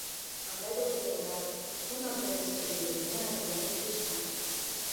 Анда да тургундар кун абдан аз төлөнгөнүнө арызданып чыгышкан.